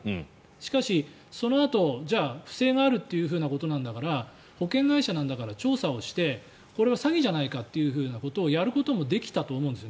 しかし、そのあとじゃあ不正があるということなんだから保険会社なんだから調査をしてこれは詐欺じゃないかとやることもできたと思うんです。